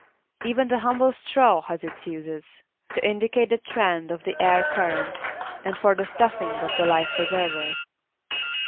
Even the humble straw has its uses to indicate the trend of the air current and for the stuffing of the life preserver.